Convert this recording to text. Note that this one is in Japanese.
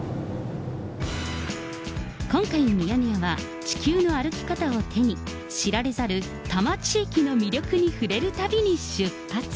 今回、ミヤネ屋は、地球の歩き方を手に、知られざる多摩地域の魅力に触れる旅に出発。